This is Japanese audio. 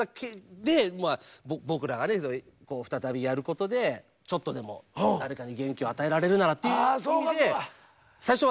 で僕らがね再びやることでちょっとでも誰かに元気を与えられるならっていう意味で最初は。